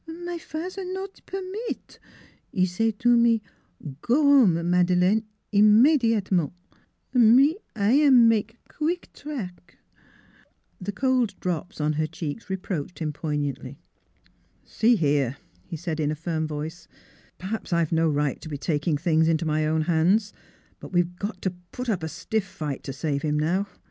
My fa'ter 'e not permit; 'e say to me, 'Go 'ome, Madeleine, immediatement' Me I am make queek track." The cold drops on her cheeks reproached him poignantly. " See here,"' he said in a firm voice; "perhaps I have no right to be taking things into my own hands. But we've got to put up a stiff fight to save him, now.